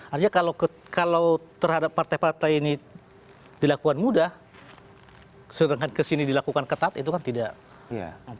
artinya kalau terhadap partai partai ini dilakukan mudah sedangkan kesini dilakukan ketat itu kan tidak ada